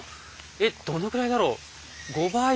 えっどのくらいだろう。